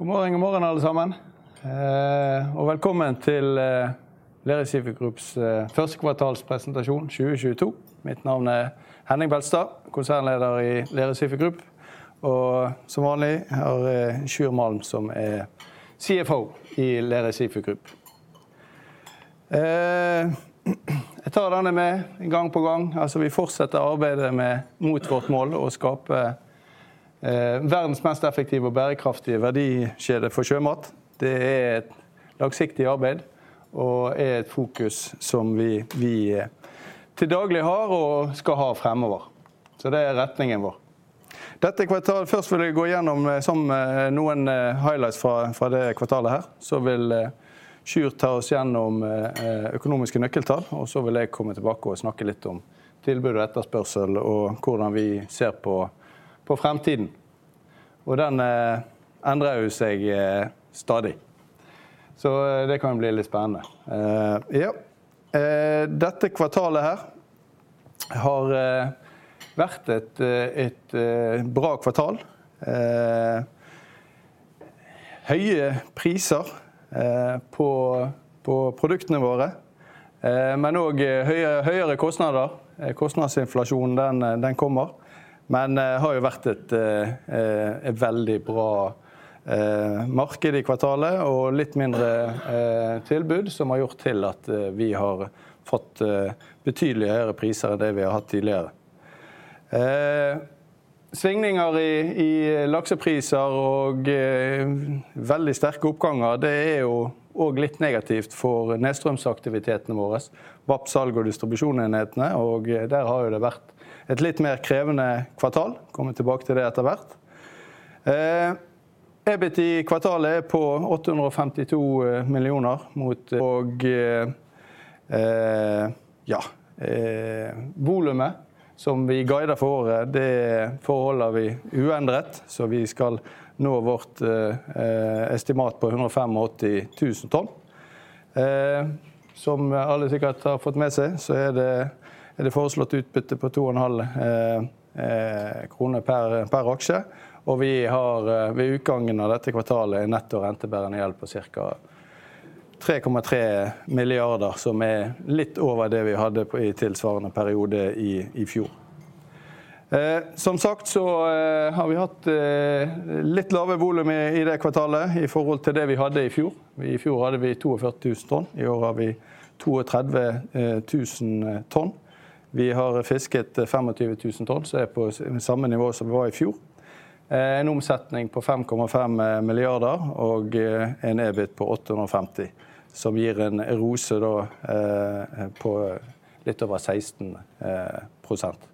God morgen, god morgen alle sammen. Velkommen til Lerøy Seafood Groups førstekvartalspresentasjon 2022. Mitt navn er Henning Beltestad, konsernleder i Lerøy Seafood Group. Som vanlig har Sjur Malm som er CFO i Lerøy Seafood Group. Jeg tar denne med gang på gang. Vi fortsetter arbeidet mot vårt mål å skape verdens mest effektive og bærekraftige verdikjede for sjømat. Det er et langsiktig arbeid og er et fokus som vi til daglig har og skal ha fremover. Det er retningen vår. Dette kvartalet. Først vil jeg gå gjennom sammen noen highlights fra det kvartalet her, så vil Sjur ta oss gjennom økonomiske nøkkeltall, og så vil jeg komme tilbake og snakke litt om tilbud og etterspørsel og hvordan vi ser på fremtiden. Den endrer jo seg stadig, det kan bli litt spennende. Dette kvartalet her har vært et bra kvartal. Høye priser på produktene våre, men også høyere kostnader. Kostnadsinflasjonen den kommer. Men har jo vært et veldig bra marked i kvartalet og litt mindre tilbud som har gjort at vi har fått betydelig høyere priser enn det vi har hatt tidligere. Svingninger i laksepriser og veldig sterke oppganger. Det er jo også litt negativt for nedstrømsaktivitetene våre. VAP salg og distribusjonsenhetene. Og der har jo det vært et litt mer krevende kvartal. Kommer tilbake til det etter hvert. EBIT i kvartalet er på NOK 850 million. Volumet som vi guidet for året. Det forholder vi uendret, så vi skal nå vårt estimat på 150,000 tonn. Som alle sikkert har fått med seg, så er det foreslått utbytte på to og en halv krone per aksje, og vi har ved utgangen av dette kvartalet en netto rentebærende gjeld på cirka NOK 3.3 milliarder, som er litt over det vi hadde i tilsvarende periode i fjor. Som sagt så har vi hatt litt lavere volum i det kvartalet i forhold til det vi hadde i fjor. I fjor hadde vi 42,000 tonn. I år har vi 32,000 tonn. Vi har fisket 25,000 tonn, så er på samme nivå som vi var i fjor. En omsetning på 5.5 milliarder og en EBIT på 850 som gir en ROCE da på litt over 16%.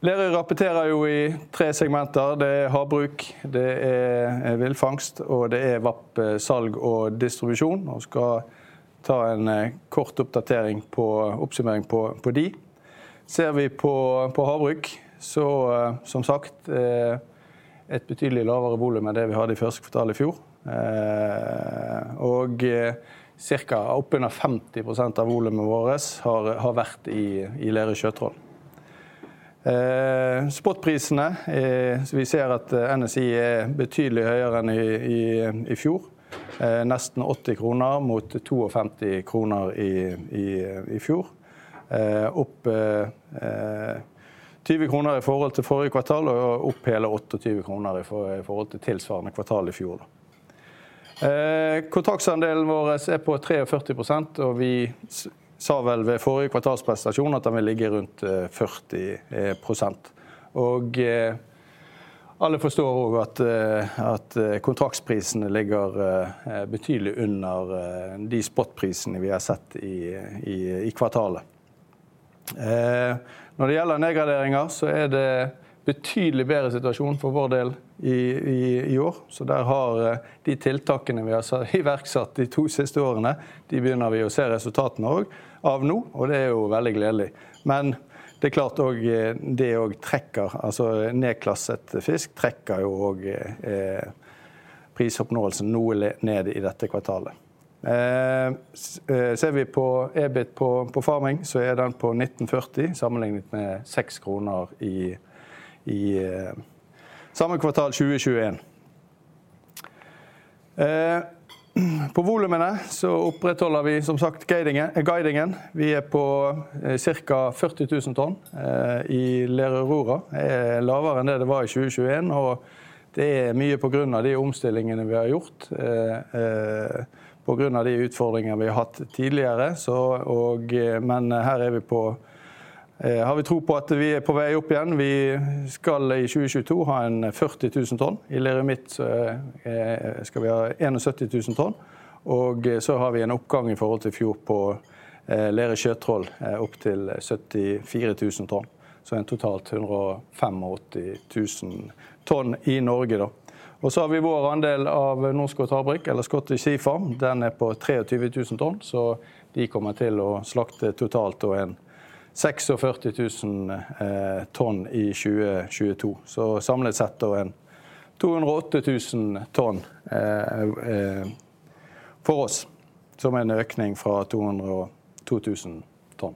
Lerøy rapporterer jo i tre segmenter. Det er havbruk, det er villfangst og det er VAP salg og distribusjon. Skal ta en kort oppdatering på oppsummering på de. Ser vi på havbruk så som sagt, et betydelig lavere volum enn det vi hadde i første kvartal i fjor. Og cirka oppunder 50% av volumet våres har vært i Lerøy Sjøtroll. Spotprisene er, vi ser at NQSALMON er betydelig høyere enn i fjor. Nesten 80 kroner mot 250 kroner i fjor. Opp 20 kroner i forhold til forrige kvartal og opp hele 28 NOK i forhold til tilsvarende kvartal i fjor da. Kontraktsandelen vår er på 43%, og vi sa vel ved forrige kvartalspresentasjon at den vil ligge rundt 40 prosent. Alle forstår også at kontraktsprisene ligger betydelig under de spotprisene vi har sett i kvartalet. Når det gjelder nedgraderinger så er det betydelig bedre situasjon for vår del i år. Så der har de tiltakene vi har iverksatt de to siste årene. De begynner vi å se resultatene av nå, og det er jo veldig gledelig. Men det er klart og det trekker altså nedklassert fisk trekker jo prisoppnåelsen noe ned i dette kvartalet. Ser vi på EBIT på farming så er den på 19.40, sammenlignet med 6 kroner i samme kvartal 2022. På volumene så opprettholder vi som sagt guidingen. Vi er på cirka 40,000 tonn i Lerøy Aurora er lavere enn det var i 2022, og det er mye på grunn av de omstillingene vi har gjort på grunn av de utfordringene vi har hatt tidligere. Men her er vi på vei opp igjen. Vi har tro på at vi er på vei opp igjen. Vi skal i 2022 ha 40,000 tonn. I Lerøy Midt skal vi ha 70,000 tonn, og vi har en oppgang i forhold til i fjor på Lerøy Sjøtroll opp til 74,000 tonn. En totalt 150,000 tonn i Norge da. Vi har vår andel av Norskott Havbruk eller Scottish Sea Farms. Den er på 23,000 tonn, så de kommer til å slakte totalt 46,000 tonn i 2022. Samlet sett 208,000 tonn for oss som er en økning fra 202,000 tonn.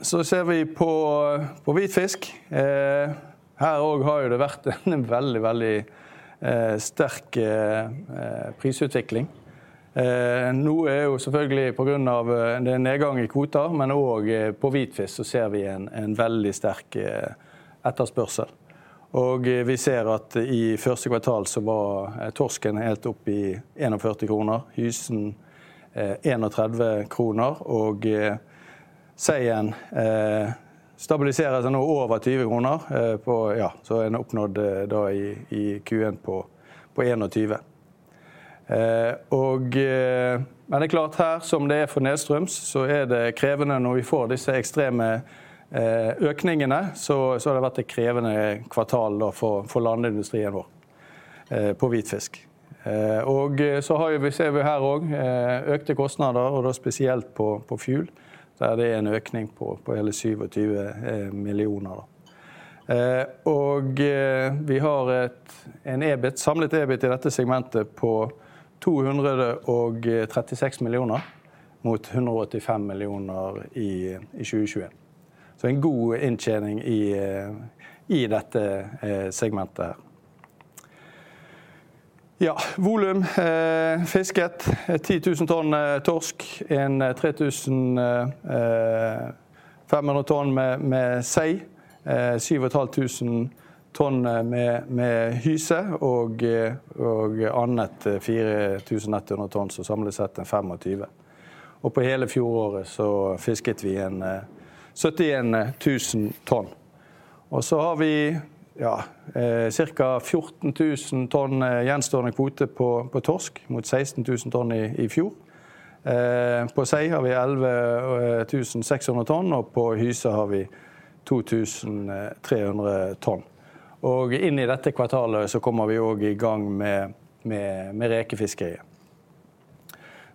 Ser vi på hvitfisk. Her også har det vært en veldig sterk prisutvikling. Noe er jo selvfølgelig på grunn av en nedgang i kvoter, men og på hvitfisk så ser vi en veldig sterk etterspørsel. Vi ser at i første kvartal så var torsken helt oppe i NOK 41. Hyse 30 kroner og seien stabiliserer seg nå over 20 kroner, så er det oppnådd da i Q1 på 21. Det er klart her som det er for nedstrøms, så er det krevende når vi får disse ekstreme økningene. Så har det vært et krevende kvartal da for landindustrien vår på hvitfisk. Så har vi ser vi her og økte kostnader og da spesielt på fuel der det er en økning på hele NOK 27 million. Vi har en samlet EBIT i dette segmentet på 236 million mot 185 million i 2022. En god inntjening i dette segmentet her. Volum, fisket 10,000 tonn torsk, 3,500 tonn med sei, 7,500 tonn med hyse og annet 4,100 tonn. Samlet sett 25. På hele fjoråret fisket vi 70,000 tonn. Vi har cirka 14,000 tonn gjenstående kvote på torsk mot 60,000 tonn i fjor. På sei har vi 11,600 tonn og på hyse har vi 2,300 tonn. Inn i dette kvartalet kommer vi også i gang med rekefisket.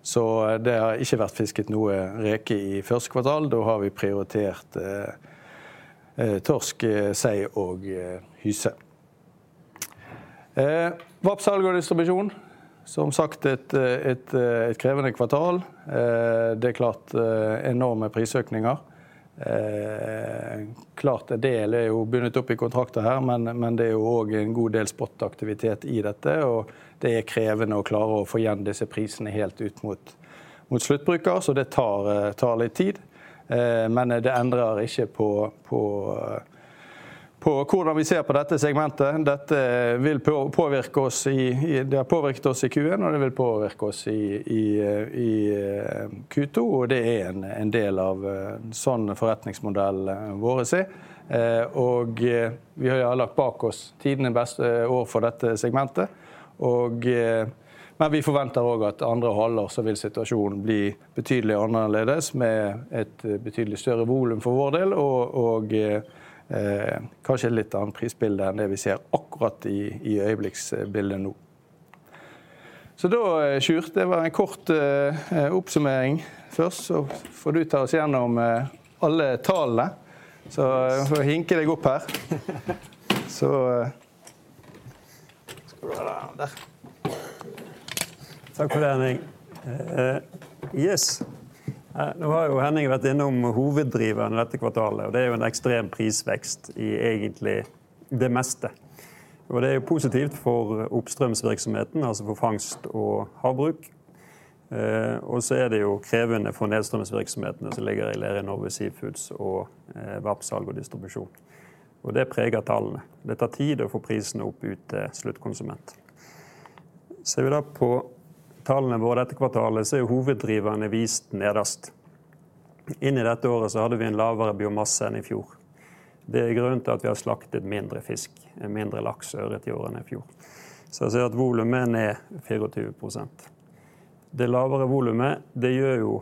Det har ikke vært fisket noe reke i første kvartal. Vi har prioritert torsk, sei og hyse. VAP-salg og distribusjon. Som sagt et krevende kvartal. Det er klart, enorme prisøkninger. Klart en del er jo bundet opp i kontrakter her. Men det er jo også en god del spotaktivitet i dette, og det er krevende å klare å få igjen disse prisene helt ut mot sluttbruker. Det tar litt tid. Men det endrer ikke på hvordan vi ser på dette segmentet. Dette vil påvirke oss i det har påvirket oss i Q1, og det vil påvirke oss i Q2, og det er en del av en sånn forretningsmodell vi ser. Vi har lagt bak oss tidens beste år for dette segmentet, men vi forventer at andre halvår vil situasjonen bli betydelig annerledes, med et betydelig større volum for vår del og, kanskje et litt annet prisbilde enn det vi ser akkurat i øyeblikksbildet nå. Da Sjur, det var en kort oppsummering først, så får du ta oss gjennom alle tallene. Jeg får hinke deg opp her. Skal du ha der. Takk for det, Henning. Nei, nå har jo Henning vært innom hoveddriveren dette kvartalet, og det er jo en ekstrem prisvekst i egentlig det meste. Det er jo positivt for oppstrømsvirksomheten, altså for fangst og havbruk. Det er jo krevende for nedstrømsvirksomheten som ligger i Lerøy Norway Seafoods og VAP, salg og distribusjon. Det preger tallene. Det tar tid å få prisene opp ut til sluttkonsument. Ser vi da på tallene våre dette kvartalet, så er jo hoveddriveren vist nederst. Inn i dette året så hadde vi en lavere biomasse enn i fjor. Det er grunnen til at vi har slaktet mindre fisk, mindre laks ørret i år enn i fjor. Ser vi at volumet er ned 24%. Det lavere volumet. Det gjør jo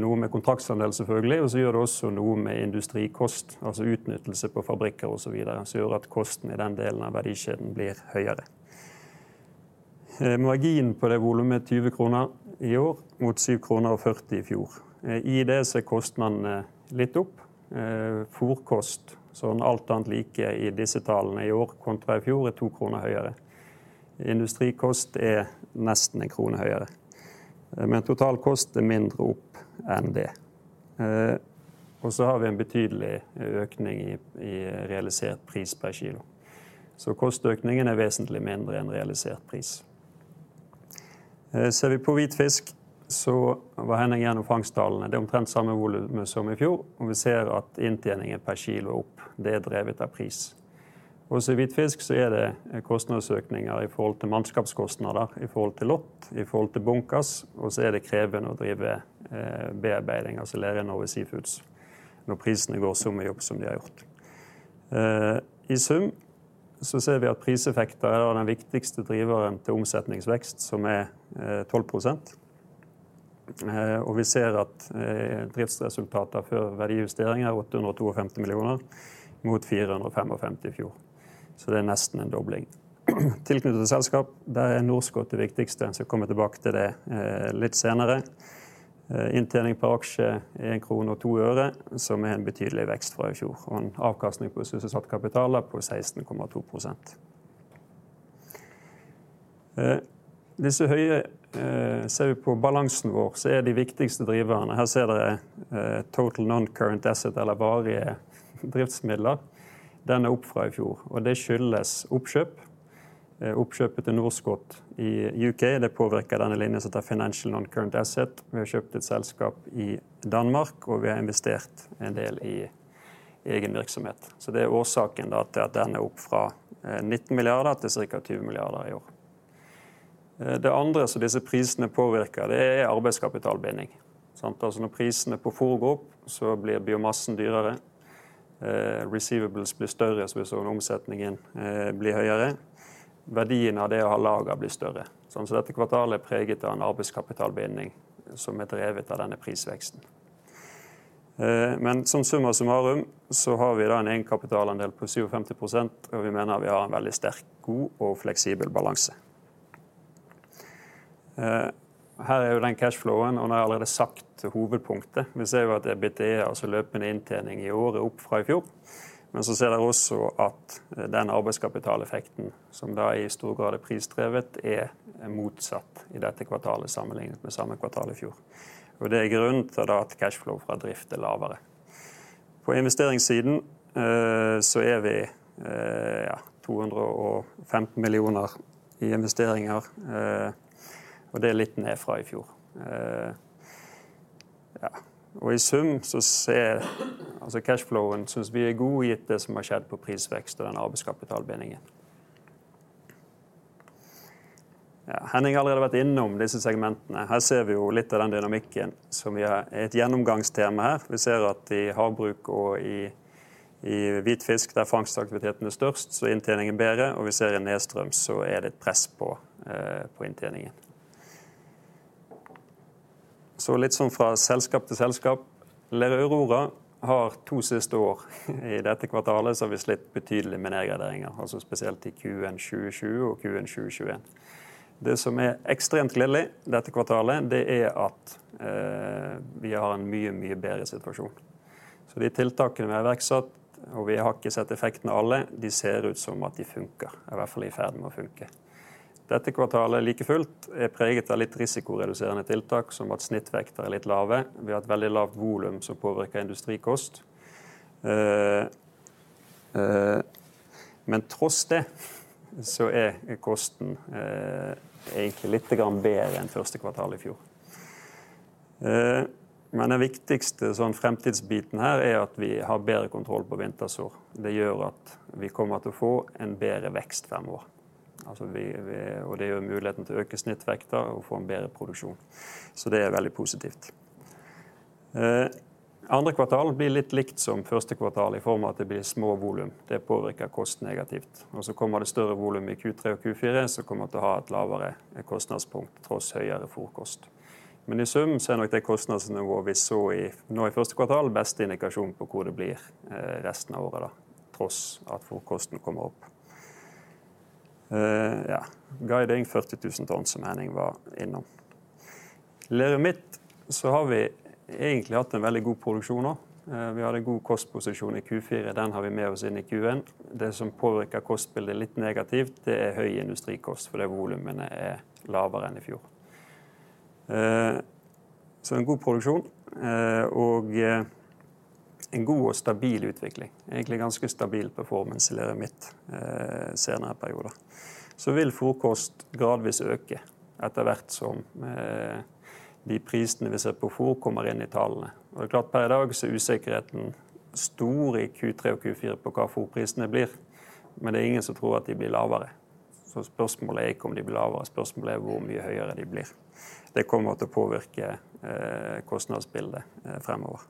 noe med kontraktsandel, selvfølgelig. Gjør det også noe med industrikost, altså utnyttelse på fabrikker og så videre. Gjør at kostnaden i den delen av verdikjeden blir høyere. Marginen på det volumet 20 kroner i år mot 7.40 kroner i fjor. I det så er kostnadene litt opp. Fôrkost. Alt annet like i disse tallene i år kontra i fjor er NOK 2 høyere. Industrikost er nesten NOK 1 høyere, men totalkost er mindre opp enn det. Har vi en betydelig økning i realisert pris per kilo. Kostnadsøkningen er vesentlig mindre enn realisert pris. Ser vi på hvitfisk så var Henning gjennom fangsttallene. Det er omtrent samme volum som i fjor, og vi ser at inntjeningen per kilo er opp. Det er drevet av pris. Hvitfisk, så er det kostnadsøkninger i forhold til mannskapskostnader i forhold til lott, i forhold til bunkers. Det er krevende å drive bearbeiding, altså Lerøy Norway Seafoods når prisene går så mye opp som de har gjort. I sum ser vi at priseffekter er den viktigste driveren til omsetningsvekst som er 12%. Vi ser at driftsresultatet før verdijustering er NOK 850 million mot NOK 455 million i fjor. Det er nesten en dobling. Tilknyttede selskaper. Der er Norskott det viktigste. Kommer jeg tilbake til det litt senere. Inntjening per aksje NOK 1.02, som er en betydelig vekst fra i fjor. En avkastning på selskapets kapitalen på 16.2%. Disse høye, ser vi på balansen vår så er de viktigste driverne. Her ser dere Total Non-Current Assets eller varige driftsmidler. Den er opp fra i fjor, og det skyldes oppkjøp. Oppkjøpet til Norskott i UK. Det påvirker denne linjen som heter Financial Non-Current Assets. Vi har kjøpt et selskap i Danmark, og vi har investert en del i egen virksomhet. Så det er årsaken til at den er opp fra 19 milliarder til cirka 20 milliarder i år. Det andre som disse prisene påvirker, det er arbeidskapitalbinding. Sant, altså når prisene på fôr går opp, så blir biomassen dyrere. Receivables blir større så hvis omsetningen blir høyere. Verdien av det å ha lager blir større. Så dette kvartalet er preget av en arbeidskapitalbinding som er drevet av denne prisveksten. Men som summa summarum så har vi da en egenkapitalandel på 75%, og vi mener vi har en veldig sterk, god og fleksibel balanse. Her er jo den cash flowen, og jeg har allerede sagt hovedpunktet. Vi ser at EBITDA, altså løpende inntjening i året opp fra i fjor. Så ser dere også at den arbeidskapitaleffekten som da i stor grad er prisdrevet, er motsatt i dette kvartalet sammenlignet med samme kvartal i fjor. Det er grunnen til at cash flow fra drift er lavere. På investeringssiden, så er vi, ja 215 million i investeringer, og det er litt ned fra i fjor. I sum så ser altså cash flowen synes vi er god gitt det som har skjedd på prisvekst og den arbeidskapitalbindingen. Ja, Henning har allerede vært innom disse segmentene. Her ser vi jo litt av den dynamikken som vi har. Et gjennomgangstema her. Vi ser at i havbruk og i hvitfisk der fangstaktiviteten er størst, så inntjeningen bedre og vi ser i nedstrøms så er det et press på på inntjeningen. Litt sånn fra selskap til selskap. Lerøy Aurora har 2 siste år i dette kvartalet så har vi slitt betydelig med nedgraderinger, altså spesielt i Q1 2020 og Q1 2021. Det som er ekstremt gledelig dette kvartalet, det er at vi har en mye bedre situasjon. De tiltakene vi har iverksatt og vi har ikke sett effekten av alle de ser ut som at de funker. I hvert fall i ferd med å funke. Dette kvartalet likefullt er preget av litt risikoreduserende tiltak, som at snittvekter er litt lave. Vi har et veldig lavt volum som påvirker industrikost. Men tross det så er kosten egentlig littegrann bedre enn første kvartal i fjor. Men den viktigste sånn fremtidsbiten her er at vi har bedre kontroll på vintersår. Det gjør at vi kommer til å få en bedre vekst fremover. Altså vi og det gir muligheten til å øke snittvekter og få en bedre produksjon. Så det er veldig positivt. Andre kvartal blir litt likt som første kvartal i form av at det blir små volum. Det påvirker kost negativt. Og så kommer det større volum i Q3 og Q4. Så kommer vi til å ha et lavere kostnadspunkt tross høyere fôrkost. Men i sum så er nok det kostnadsnivået vi så i nå i første kvartal beste indikasjonen på hvor det blir resten av året da. Tross at fôrkosten kommer opp. Ja. Guiding 40,000 tonn som Henning var innom. Lerøy Midt har vi egentlig hatt en veldig god produksjon nå. Vi hadde god kostposisjon i Q4. Den har vi med oss inn i Q1. Det som påvirker kostbildet litt negativt, det er høy industrikost fordi volumene er lavere enn i fjor. Så en god produksjon, og en god og stabil utvikling. Egentlig ganske stabil performance i Lerøy Midt, senere i perioden. Så vil fôrkost gradvis øke etter hvert som de prisene vi ser på fôr kommer inn i tallene. Og det er klart per i dag så er usikkerheten stor i Q3 og Q4 på hva fôrkostene blir. Men det er ingen som tror at de blir lavere. Så spørsmålet er ikke om de blir lavere. Spørsmålet er hvor mye høyere de blir. Det kommer til å påvirke kostnadsbildet fremover.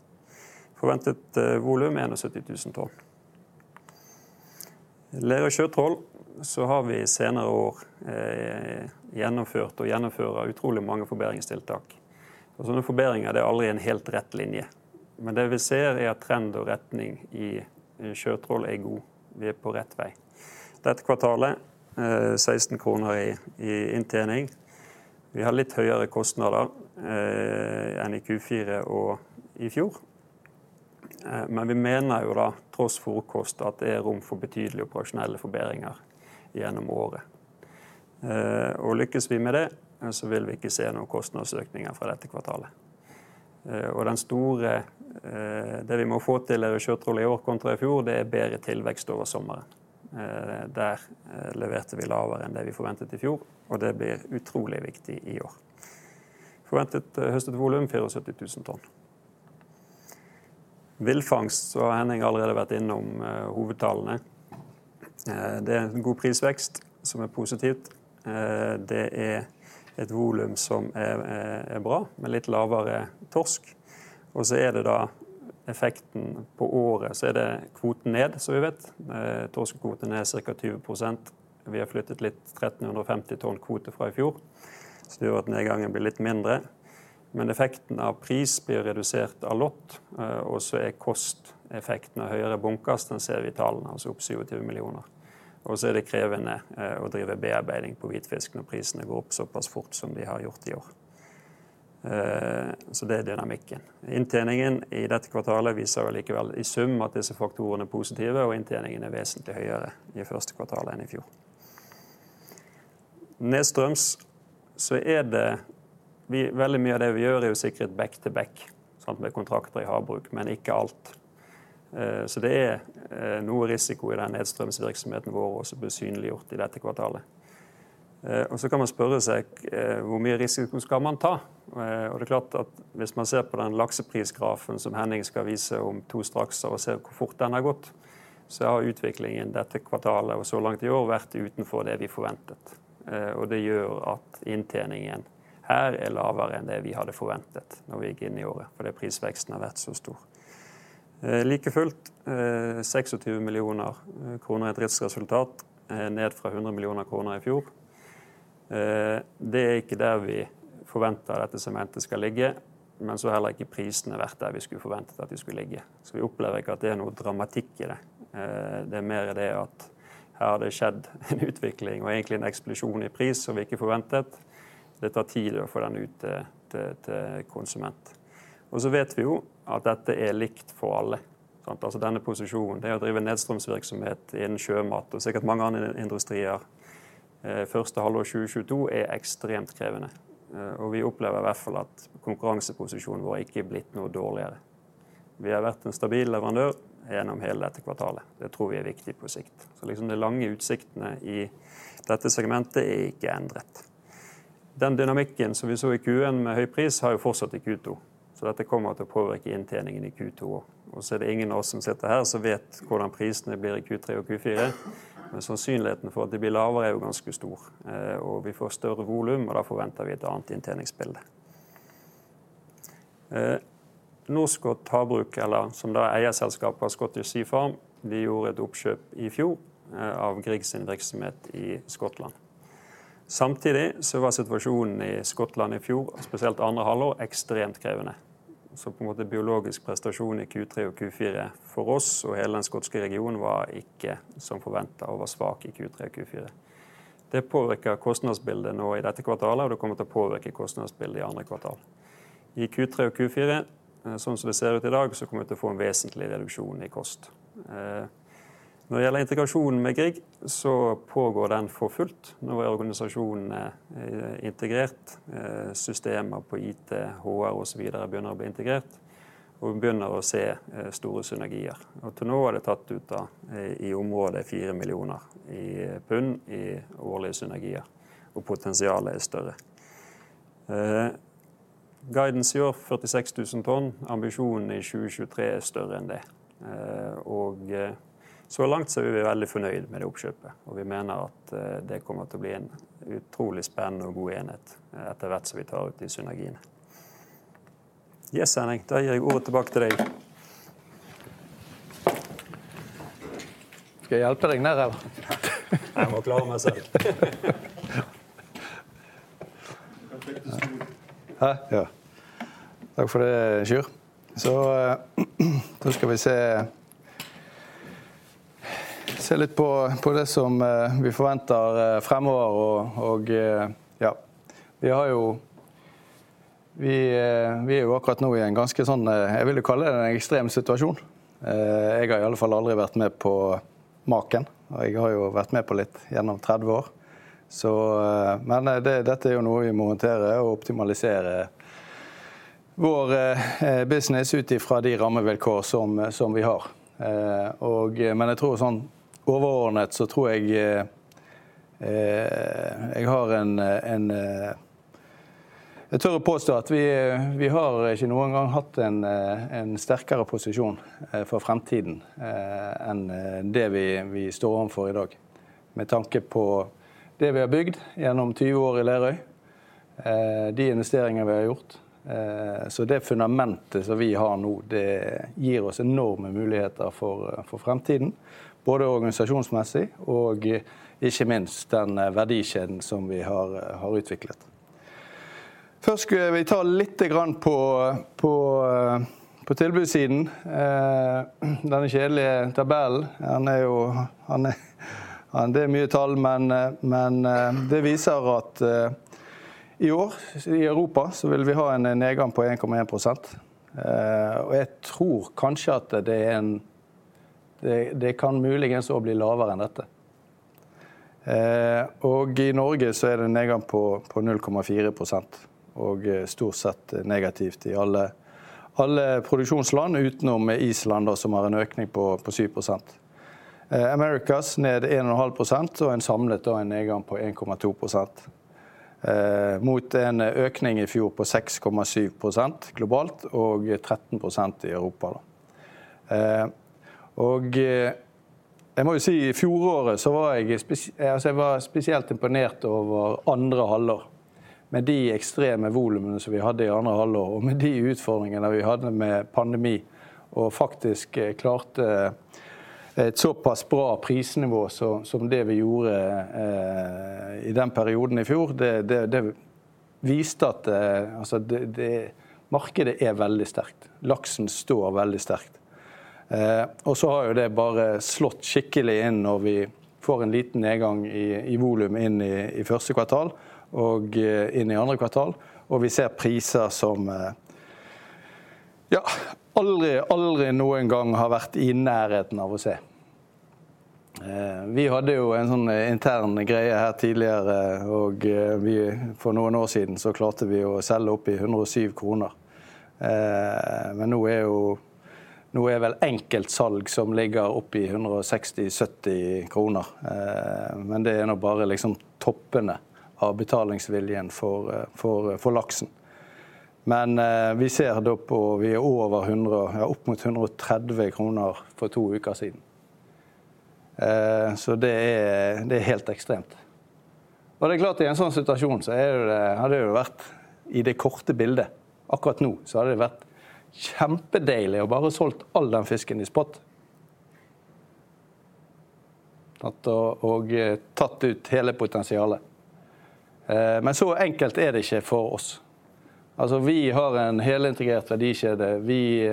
Forventet volum 70,000 tonn. Lerøy Sjøtroll. Har vi i senere år gjennomført og gjennomfører utrolig mange forbedringstiltak. Sånne forbedringer det er aldri en helt rett linje. Det vi ser er at trend og retning i Sjøtroll er god. Vi er på rett vei. Dette kvartalet 16 kroner i inntjening. Vi har litt høyere kostnader enn i Q4 og i fjor. Vi mener jo da tross fôrkost at det er rom for betydelige operasjonelle forbedringer gjennom året. Lykkes vi med det så vil vi ikke se noen kostnadsøkninger fra dette kvartalet. Den store det vi må få til Lerøy Sjøtroll i år kontra i fjor. Det er bedre tilvekst over sommeren. Der leverte vi lavere enn det vi forventet i fjor, og det blir utrolig viktig i år. Forventet høstet volum 470,000 tonn. Vildfangst, Henning har allerede vært innom hovedtallene. Det er en god prisvekst som er positivt. Det er et volum som er bra med litt lavere torsk. Det er da effekten på året. Det er kvoten ned som vi vet. Torskekvoten er cirka 20%. Vi har flyttet litt 1,350 tonn kvote fra i fjor. Det gjør at nedgangen blir litt mindre. Men effekten av pris blir redusert av lott. Kosteffekten av høyere bunkers. Den ser vi i tallene. Altså opp 27 millioner. Det er krevende å drive bearbeiding på hvitfisken når prisene går opp såpass fort som de har gjort i år. Det er dynamikken. Inntjeningen i dette kvartalet viser allikevel i sum at disse faktorene er positive, og inntjeningen er vesentlig høyere i første kvartal enn i fjor. Nedstrøms, så er det vi veldig mye av det vi gjør er jo sikkert back to back samt med kontrakter i havbruk, men ikke alt. Det er noe risiko i den nedstrøms virksomheten vår også som blir synliggjort i dette kvartalet. Så kan man spørre seg hvor mye risiko skal man ta? Det er klart at hvis man ser på den lakseprisfall som Henning skal vise om to straks og ser hvor fort den har gått, så har utviklingen dette kvartalet og så langt i år vært utenfor det vi forventet. Det gjør at inntjeningen her er lavere enn det vi hadde forventet når vi gikk inn i året fordi prisveksten har vært så stor. Likefullt, 26 million kroner i driftsresultat er ned fra 100 million kroner i fjor. Det er ikke der vi forventer at dette segmentet skal ligge, men så har heller ikke prisene vært der vi skulle forventet at de skulle ligge. Vi opplever ikke at det er noe dramatikk i det. Det er mer det at her har det skjedd en utvikling og egentlig en eksplosjon i pris som vi ikke forventet. Det tar tid å få den ut til konsument. Vi vet jo at dette er likt for alle. Sant da, altså, denne posisjonen. Det å drive nedstrøms virksomhet innen sjømat og sikkert mange andre industrier i første halvår 2022 er ekstremt krevende, og vi opplever i hvert fall at konkurranseposisjon vår ikke er blitt noe dårligere. Vi har vært en stabil leverandør gjennom hele dette kvartalet. Det tror vi er viktig på sikt. Liksom de lange utsiktene i dette segmentet er ikke endret. Den dynamikken som vi så i Q1 med høy pris har jo fortsatt i Q2. Dette kommer til å påvirke inntjeningen i Q2 også. Det er ingen av oss som sitter her som vet hvordan prisene blir i Q3 og Q4. Sannsynligheten for at de blir lavere er jo ganske stor, og vi får større volum, og da forventer vi et annet inntjeningsbilde. Norskott Havbruk eller som da eierselskapet Scottish Sea Farms. Vi gjorde et oppkjøp i fjor, av Grieg sin virksomhet i Skottland. Samtidig så var situasjonen i Skottland i fjor, og spesielt andre halvår ekstremt krevende. På en måte biologisk prestasjon i Q3 og Q4 for oss og hele den skotske regionen var ikke som forventet og var svak i Q3 og Q4. Det påvirker kostnadsbildet nå i dette kvartalet, og det kommer til å påvirke kostnadsbildet i andre kvartal. I Q3 og Q4 sånn som det ser ut i dag, så kommer vi til å få en vesentlig reduksjon i kost. Når det gjelder integrasjonen med Grieg Seafood så pågår den for fullt. Nå er organisasjonene integrert. Systemer på IT, HR og så videre begynner å bli integrert og vi begynner å se store synergier. Til nå er det tatt ut i området 4 million i årlige synergier og potensialet er større. Guidens i år 46,000 tonn. Ambisjonen i 2023 er større enn det. Så langt så er vi veldig fornøyd med det oppkjøpet, og vi mener at det kommer til å bli en utrolig spennende og god enhet etter hvert som vi tar ut de synergiene. Yes, Henning, da gir jeg ordet tilbake til deg. Skal jeg hjelpe deg ned der eller? Jeg må klare meg selv. Ja. Takk for det, Sjur Malm. Da skal vi se. Se litt på det som vi forventer fremover og vi har jo vi er jo akkurat nå i en ganske sånn jeg vil jo kalle det en ekstrem situasjon. Jeg har i alle fall aldri vært med på maken. Jeg har jo vært med på litt gjennom 30 år. Dette er jo noe vi må håndtere og optimalisere vår business ut ifra de rammevilkår som vi har, og men jeg tror sånn overordnet så tror jeg har en jeg tør å påstå at vi har ikke noen gang hatt en sterkere posisjon for fremtiden, enn det vi står ovenfor i dag. Med tanke på det vi har bygd gjennom 20 år i Lerøy. De investeringer vi har gjort, så det fundamentet som vi har nå, det gir oss enorme muligheter for fremtiden, både organisasjonsmessig og ikke minst den verdikjeden som vi har utviklet. Først skal vi ta litt grann på tilbudssiden. Denne kjedelige tabellen. Den er jo det er mye tall, men det viser at i år i Europa så vil vi ha en nedgang på 1.1%. Og jeg tror kanskje at det kan muligens også bli lavere enn dette. Og i Norge så er det en nedgang på 0.4% og stort sett negativt i alle produksjonsland utenom Island da som har en økning på 7%. Americas ned 1.5% og en samlet nedgang på 1.2%, mot en økning i fjor på 6.7% globalt og 13% i Europa. Jeg må jo si fjoråret så var jeg altså spesielt imponert over andre halvår med de ekstreme volumene som vi hadde i andre halvår og med de utfordringene vi hadde med pandemi og faktisk klarte et såpass bra prisnivå så som det vi gjorde i den perioden i fjor. Det viste at det markedet er veldig sterkt. Laksen står veldig sterkt. Så har jo det bare slått skikkelig inn når vi får en liten nedgang i volum inn i første kvartal og inn i andre kvartal. Vi ser priser som aldri noen gang har vært i nærheten av å se. Vi hadde jo en sånn intern greie her tidligere, og for noen år siden klarte vi å selge opp i NOK 107. Nå er jo, nå er vel enkeltsalg som ligger opp i 160 kroner, 170. Det er nå bare liksom toppene av betalingsviljen for laksen. Vi ser da at vi er over 100, opp mot 130 kroner for 2 uker siden, så det er helt ekstremt. Det er klart, i en sånn situasjon så er det det. Hadde det vært i det korte bildet akkurat nå, så hadde det vært kjempedeilig å bare solgt all den fisken i spot. Sant, og tatt ut hele potensialet. Men så enkelt er det ikke for oss. Altså, vi har en helintegrert verdikjede. Vi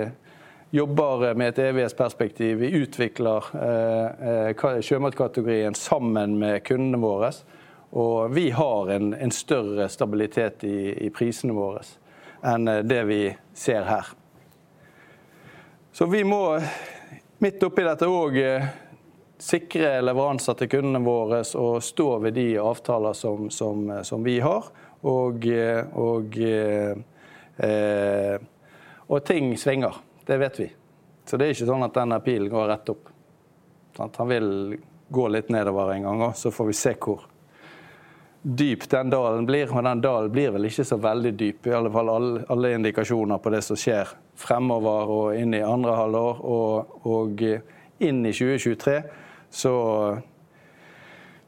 jobber med et evighets perspektiv. Vi utvikler sjømatkategorien sammen med kundene våre, og vi har en større stabilitet i prisene våres enn det vi ser her. Vi må midt oppi dette og sikre leveranser til kundene våres og stå ved de avtaler som vi har og ting svinger, det vet vi. Det er ikke sånn at den pilen går rett opp. Sant, den vil gå litt nedover en gang, og så får vi se hvor dyp den dalen blir. Den dalen blir vel ikke så veldig dyp. I alle fall alle indikasjoner på det som skjer fremover og inn i andre halvår og inn i 2023.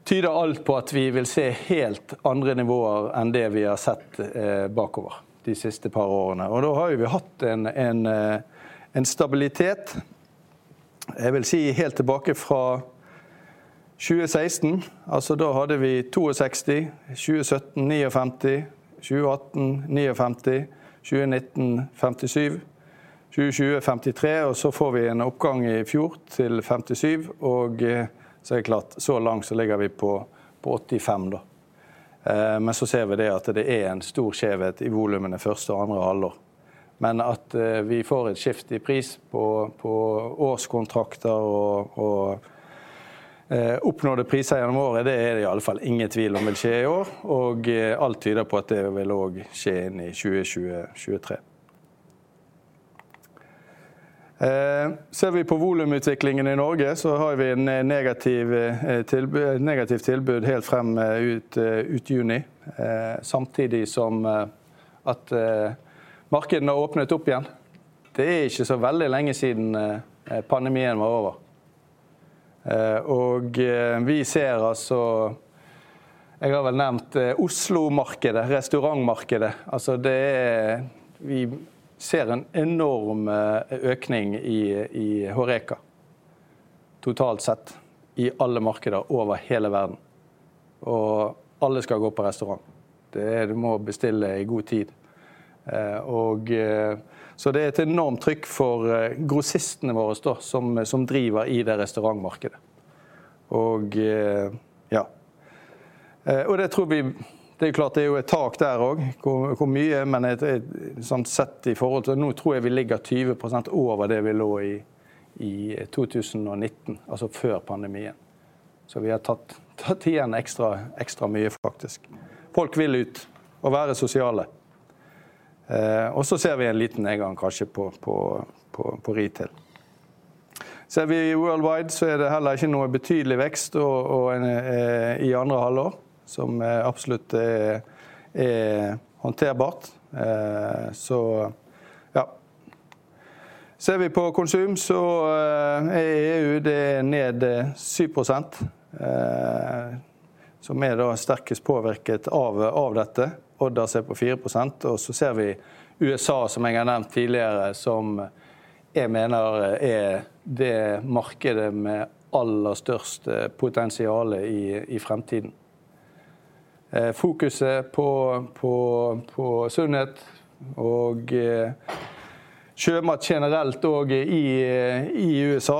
Tyder alt på at vi vil se helt andre nivåer enn det vi har sett bakover de siste par årene. Da har jo vi hatt en stabilitet. Jeg vil si helt tilbake fra 2016. Altså, da hadde vi 260 i 2017, 95, 2018, 95, 2019, 57, 2020, 53. Så får vi en oppgang i fjor til 57. Så er det klart, så langt så ligger vi på 85 da. Ser vi det at det er en stor skjevhet i volumene første og andre halvår. At vi får et skifte i pris på årskontrakter og oppnådde priser gjennom året. Det er det i alle fall ingen tvil om vil skje i år. Alt tyder på at det vil og skje inn i 2023. Ser vi på volumutviklingen i Norge så har vi en negativt tilbud helt frem ut i juni, samtidig som at markedene har åpnet opp igjen. Det er ikke så veldig lenge siden pandemien var over, og vi ser altså jeg har vel nevnt Oslo markedet, restaurantmarkedet. Altså, vi ser en enorm økning i HORECA totalt sett i alle markeder over hele verden, og alle skal gå på restaurant. Du må bestille i god tid, og så det er et enormt trykk for grossistene våre da som driver i det restaurantmarkedet. Ja, og det tror vi. Det er klart det er jo et tak der og hvor mye. Sånn sett i forhold til nå tror jeg vi ligger 20% over det vi lå i 2019, altså før pandemien. Vi har tatt igjen ekstra mye faktisk. Folk vil ut og være sosiale. Ser vi en liten nedgang, kanskje på retail. Ser vi worldwide så er det heller ikke noe betydelig vekst i andre halvår som absolutt er håndterbart. Ser vi på konsum så er EU det ned 7%, som er da sterkest påvirket av dette. Øvrige er på 4%. Ser vi USA som jeg har nevnt tidligere, som jeg mener er det markedet med aller største potensiale i fremtiden. Fokuset på sunnhet og sjømat generelt og i USA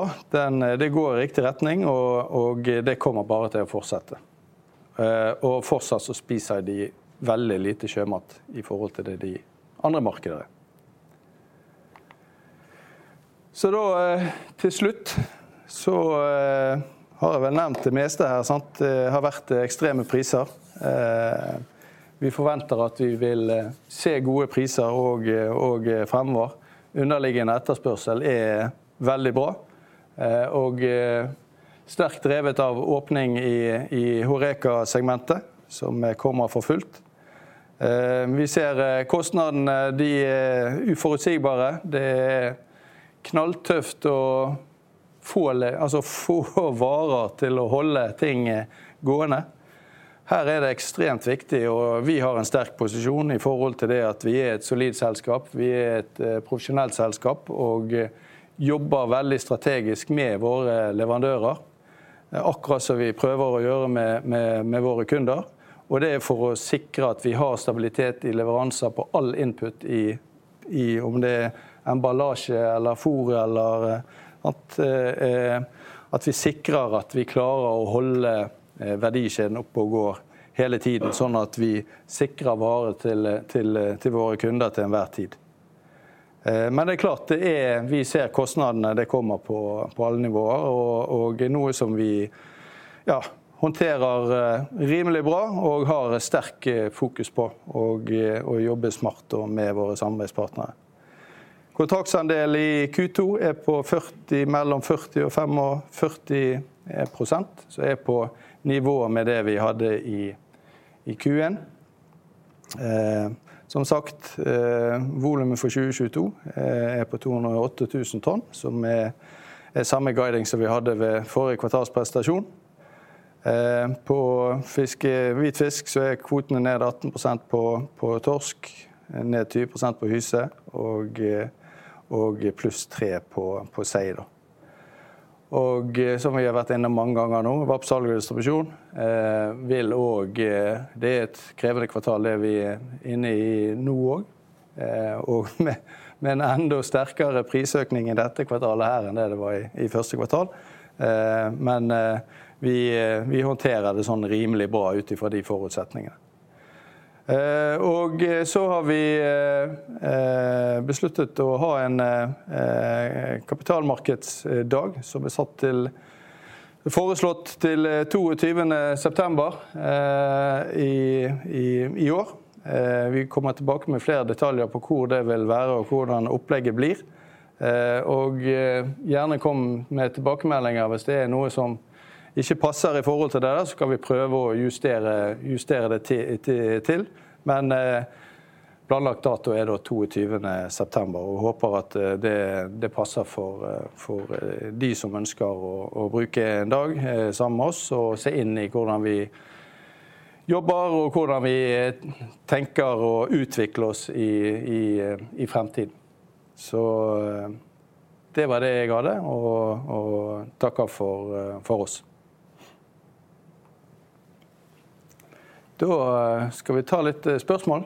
det går i riktig retning og det kommer bare til å fortsette. Fortsatt så spiser de veldig lite sjømat i forhold til de andre markedene. Til slutt har jeg vel nevnt det meste her, sant. Det har vært ekstreme priser. Vi forventer at vi vil se gode priser og fremover. Underliggende etterspørsel er veldig bra, og sterkt drevet av åpning i HORECA-segmentet som kommer for fullt. Vi ser kostnadene, de er uforutsigbare. Det er knalltøft å få, altså få varer til å holde ting gående. Her er det ekstremt viktig, og vi har en sterk posisjon i forhold til det at vi er et solid selskap. Vi er et profesjonelt selskap og jobber veldig strategisk med våre leverandører, akkurat som vi prøver å gjøre med våre kunder. Det er for å sikre at vi har stabilitet i leveranser på all input i om det er emballasje eller fôr eller at vi sikrer at vi klarer å holde verdikjeden oppe og går hele tiden sånn at vi sikrer varer til våre kunder til enhver tid. Men det er klart det er vi ser kostnadene det kommer på alle nivåer og noe som vi håndterer rimelig bra og har et sterkt fokus på og jobber smart med våre samarbeidspartnere. Kontraktsandel i Q2 er på 40 mellom 40 og 45 prosent, er på nivå med det vi hadde i Q1. Som sagt, volumet for 2022 er på 208,000 tonn, som er samme guiding som vi hadde ved forrige kvartalspresentasjon. På fiske hvitfisk så er kvotene ned 18% på torsk, ned 20% på hyse og +3 på sei. Som vi har vært inne mange ganger nå VAP salg og distribusjon, vil og det er et krevende kvartal det vi er inne i nå og med en enda sterkere prisøkning i dette kvartalet her enn det var i første kvartal. Men vi håndterer det sånn rimelig bra ut fra de forutsetningene. Har vi besluttet å ha en kapitalmarkedsdag som er satt til foreslått til 22. september i år. Vi kommer tilbake med flere detaljer på hvor det vil være og hvordan opplegget blir. Og gjerne kom med tilbakemeldinger hvis det er noe som ikke passer i forhold til dere, så kan vi prøve å justere det til. Men planlagt dato er da 22. september. Håper at det passer for de som ønsker å bruke en dag sammen med oss og se inn i hvordan vi jobber og hvordan vi tenker å utvikle oss i fremtiden. Det var det jeg hadde og takker for oss. Da skal vi ta litt spørsmål.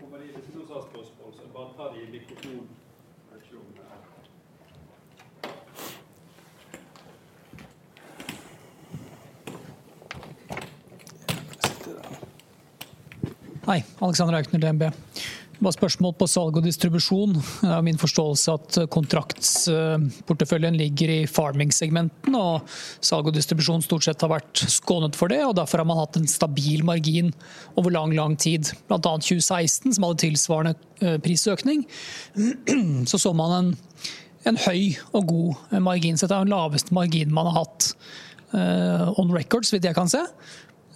Om det er noen som har spørsmål så bare ta de i mikrofonen. Jeg vet ikke om det er. Hei. Alexander Aukner, DNB. Det var spørsmål på salg og distribusjon. Det er min forståelse at kontraktsporteføljen ligger i farming segmenten og salg og distribusjon stort sett har vært skånet for det, og derfor har man hatt en stabil margin over lang tid. Blant annet 2016 som hadde tilsvarende prisøkning. Så man en høy og god margin, så dette er den laveste marginen man har hatt on record så vidt jeg kan se.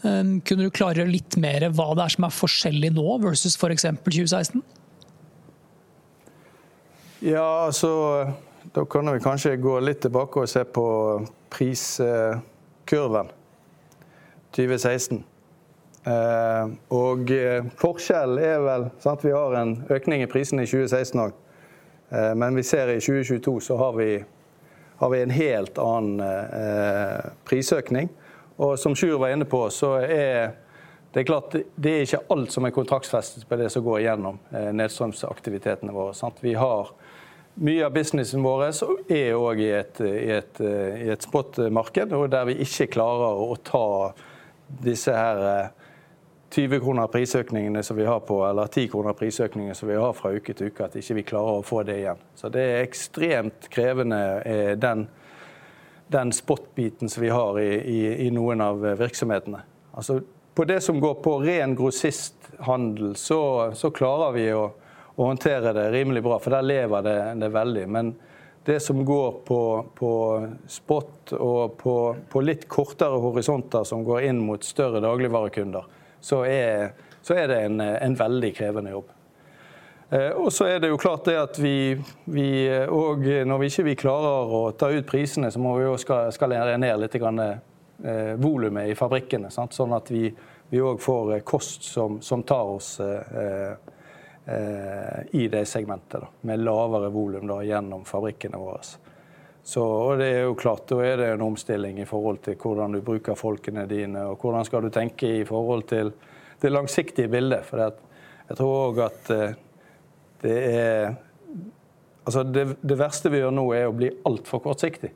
Kunne du klargjøre litt mer hva det er som er forskjellig nå versus for eksempel 2016? Ja, altså, da kan vi kanskje gå litt tilbake og se på priskurven 2016. Forskellen er vel sant, vi har en økning i prisene i 2016, men vi ser i 2022 så har vi en helt annen prisøkning. Som Sjur var inne på så er det klart, det er ikke alt som er kontraktsfestet på det som går gjennom nedstrøms aktivitetene våre, sant. Vi har mye av businessen vår som er i et spotmarked og der vi ikke klarer å ta disse her 20 kroner prisøkningene som vi har på eller 10 kroner prisøkning som vi har fra uke til uke. At ikke vi klarer å få det igjen. Det er ekstremt krevende den spotbiten som vi har i noen av virksomhetene. Altså, på det som går på ren grossisthandel, så klarer vi å håndtere det rimelig bra, for der leverer det veldig. Men det som går på spot og på litt kortere horisonter som går inn mot større dagligvarekunder, så er det en veldig krevende jobb. Og så er det jo klart at når vi ikke klarer å ta ut prisene, så må vi jo skal ned lite grann volumet i fabrikkene, sant. Sånn at vi også får kost som tar oss i de segmentene med lavere volum gjennom fabrikkene våre. Så det er jo klart, da er det en omstilling i forhold til hvordan du bruker folkene dine og hvordan skal du tenke i forhold til det langsiktige bildet. Fordi jeg tror at det er altså det verste vi gjør nå er å bli altfor kortsiktig.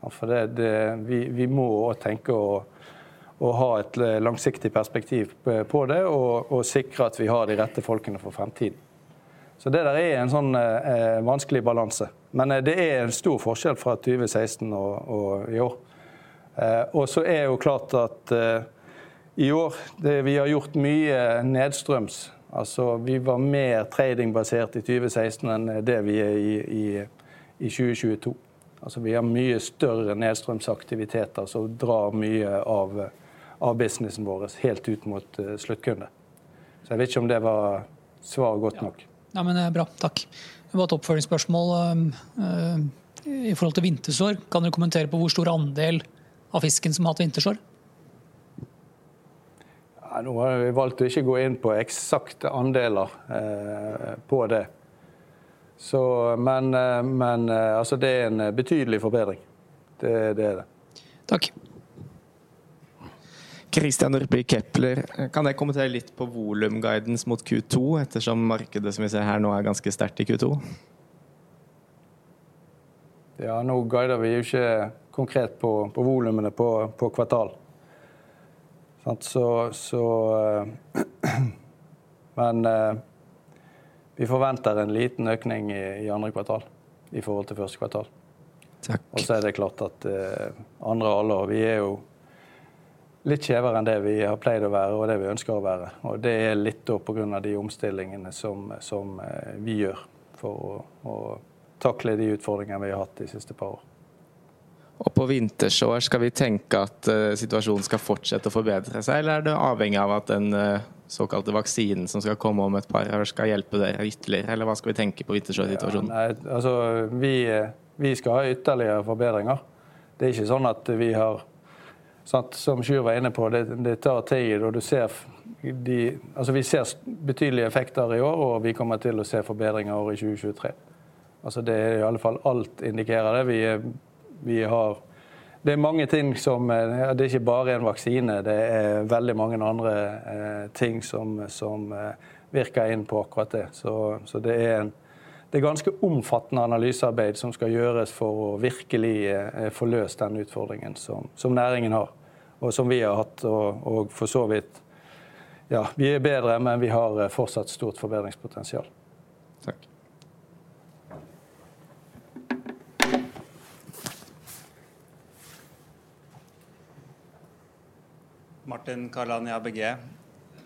For det vi må tenke å ha et langsiktig perspektiv på det og sikre at vi har de rette folkene for fremtiden. Det der er en sånn vanskelig balanse. Men det er en stor forskjell fra 2016 og i år. Og så er det jo klart at i år vi har gjort mye nedstrøms, altså vi var mer trading basert i 2016 enn det vi er i 2022. Altså, vi har mye større nedstrøms aktiviteter som drar mye av businessen vår helt ut mot sluttkunde. Jeg vet ikke om det var svaret godt nok. Ja, men det er bra. Takk. Et oppfølgingsspørsmål. I forhold til vintersår. Kan du kommentere på hvor stor andel av fisken som har hatt vintersår? Ja, nå har vi valgt å ikke gå inn på eksakte andeler, på det. Så, men altså, det er en betydelig forbedring. Det er det. Takk. Christian Olsen Nordby i Kepler Cheuvreux. Kan dere kommentere litt på volumguidance mot Q2 ettersom markedet som vi ser her nå er ganske sterkt i Q2? Ja, nå guider vi jo ikke konkret på volumene på kvartal. Sant, så. Vi forventer en liten økning i andre kvartal i forhold til første kvartal. Takk. Er det klart at andre halvår, vi er jo litt skjevere enn det vi har pleid å være og det vi ønsker å være, og det er litt på grunn av de omstillingene som vi gjør for å takle de utfordringene vi har hatt de siste par år. På vintersår skal vi tenke at situasjonen skal fortsette å forbedre seg. Eller er det avhengig av at den såkalte vaksinen som skal komme om et par år skal hjelpe dere ytterligere, eller hva skal vi tenke på vintersår situasjonen? Nei, altså vi skal ha ytterligere forbedringer. Det er ikke sånn at vi har nådd som Sjur var inne på. Det tar tid, og du ser, altså, vi ser betydelige effekter i år, og vi kommer til å se forbedringer året 2023. Altså, det er i alle fall alt indikerer det vi har. Det er mange ting som, det er ikke bare en vaksine, det er veldig mange andre ting som virker inn på akkurat det. Så det er ganske omfattende analysearbeid som skal gjøres for å virkelig få løst den utfordringen som næringen har og som vi har hatt. For så vidt vi er bedre, men vi har fortsatt stort forbedringspotensial. Takk. Martin Kaland i ABG.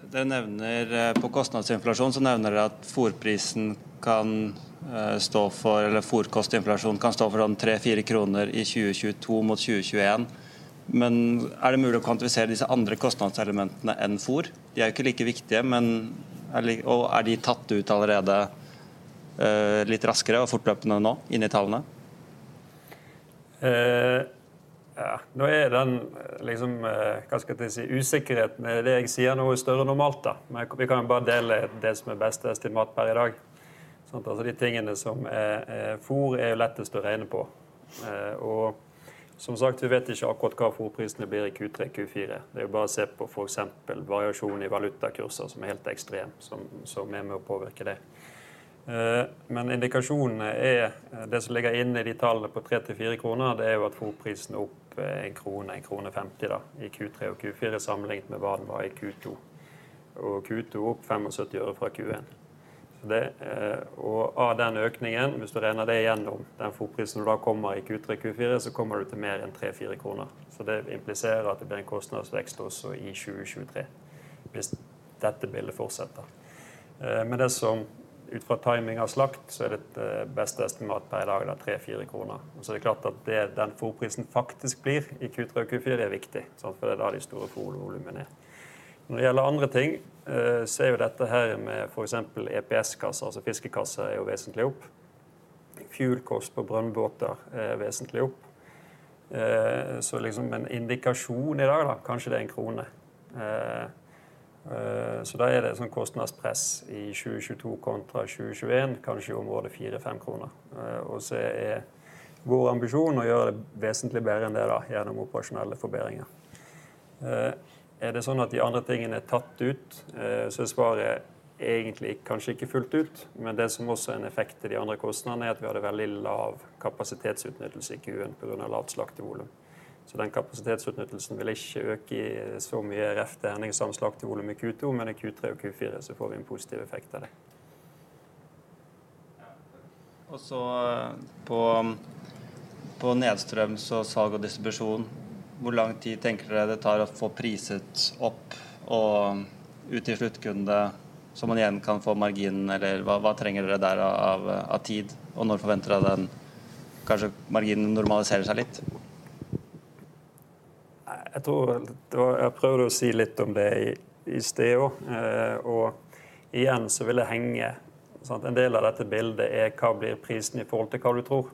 Dere nevner på kostnadsinflasjon, så nevner dere at fôrprisen kan stå for eller fôrkostinflasjon kan stå for sånn 3-4 NOK i 2022 mot 2021. Men er det mulig å kvantifisere disse andre kostnadselementene enn fôr? De er jo ikke like viktige, men er og er de tatt ut allerede litt raskere og fortløpende nå inn i tallene. Nå er usikkerheten ved det jeg sier nå større enn normalt. Vi kan jo bare dele det som er beste estimat per i dag. De tingene som er fôr er lettest å regne på. Og som sagt, vi vet ikke akkurat hva fôrprisene blir i Q3, Q4. Det er jo bare å se på for eksempel variasjonen i valutakurser som er helt ekstrem, som er med å påvirke det. Men indikasjonen er det som ligger inne i de tallene på 3-4 kroner. Det er jo at fôrprisen er opp 1 krone, 1.50 krone i Q3 og Q4 sammenlignet med hva den var i Q2. Q2 opp 0.57 fra Q1. Det og av den økningen, hvis du regner det igjennom den fôrprisen du da kommer i Q3 Q4, kommer du til mer enn 3-4 kroner. Det impliserer at det blir en kostnadsvekst også i 2023, hvis dette bildet fortsetter. Men det som ut fra timing av slakt, så er dette beste estimat per i dag da. 3-4 kroner. Det er klart at den fôrprisen faktisk blir i Q3 og Q4 er viktig. Siden det er da de store fôrvolumene er. Når det gjelder andre ting, så er jo dette her med for eksempel EPS kasser. Altså fiskekasser er jo vesentlig opp. Fuel kost på brønnbåter er vesentlig opp, så liksom en indikasjon i dag da. Kanskje det er NOK 1. Da er det en sånn kostnadspress i 2022 kontra 2021. Kanskje i området NOK 4-NOK 5. Er vår ambisjon å gjøre det vesentlig bedre enn det da gjennom operasjonelle forbedringer. Er det sånn at de andre tingene er tatt ut, så er svaret egentlig kanskje ikke fullt ut. Det som også er en effekt i de andre kostnadene er at vi hadde veldig lav kapasitetsutnyttelse i Q1 på grunn av lavt slaktevolum. Den kapasitetsutnyttelsen vil ikke øke så mye relativ endring som slaktevolum i Q2, men i Q3 og Q4 så får vi en positiv effekt av det. På nedstrøms og salg og distribusjon. Hvor lang tid tenker dere det tar å få priset opp og ut til sluttkunde så man igjen kan få margin? Eller hva trenger dere der av tid og når forventer dere den kanskje marginen normaliseres litt. Jeg tror det var, jeg prøvde å si litt om det i stedet. Og igjen så vil det henge. En del av dette bildet er hva blir prisen i forhold til hva du tror?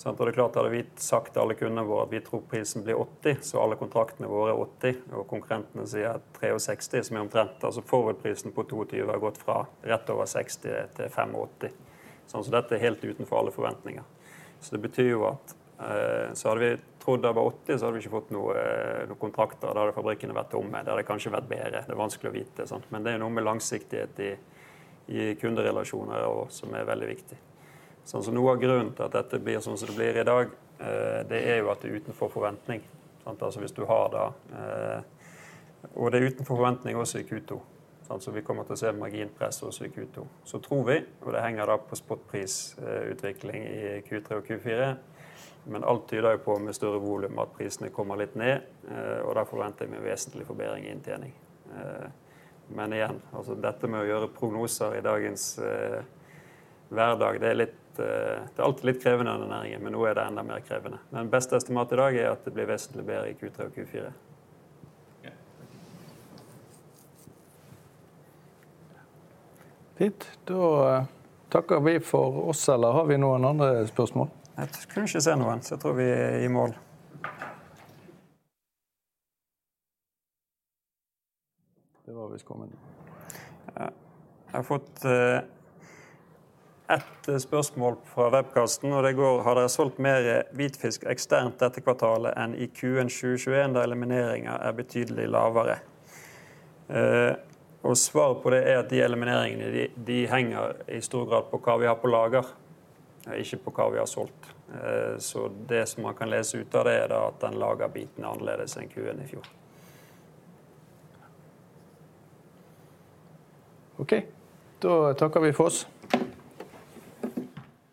Det er klart, hadde vi sagt til alle kundene våre at vi tror prisen blir 80, så alle kontraktene våre 80 og konkurrentene sier 36 som er omtrent. Altså forwardprisen på 2023 har gått fra rett over 60 til 85. Så dette er helt utenfor alle forventninger. Det betyr jo at, så hadde vi trodd det var 80, så hadde vi ikke fått noe kontrakter. Da hadde fabrikkene vært tomme. Det hadde kanskje vært bedre. Det er vanskelig å vite, men det er noe med langsiktighet i kunderelasjoner som er veldig viktig. Noe av grunnen til at dette blir som det blir i dag, det er jo at det er utenfor forventning. Sant, altså, hvis du har da, og det er utenfor forventning også i Q2. Altså, vi kommer til å se marginpress også i Q2. Tror vi, og det henger da på spotprisutvikling i Q3 og Q4. Men alt tyder i dag på med større volum at prisene kommer litt ned. Og da forventer vi en vesentlig forbedring i inntjening. Men igjen, altså dette med å gjøre prognoser i dagens hverdag, det er litt, det er alltid litt krevende i denne næringen, men nå er det enda mer krevende. Beste estimat i dag er at det blir vesentlig bedre i Q3 og Q4. Fint. Da takker vi for oss. Eller har vi noen andre spørsmål? Jeg kunne ikke se noen. Så tror vi er i mål. Det var visst kommet. Jeg har fått ett spørsmål fra webcasten og det går. Har dere solgt mer hvitfisk eksternt dette kvartalet enn i Q1 2021 der elimineringer er betydelig lavere? Svaret på det er at de elimineringene de henger i stor grad på hva vi har på lager og ikke på hva vi har solgt. Det som man kan lese ut av det er da at den lagerbiten er annerledes enn Q1 i fjor. Okay, da takker vi for oss.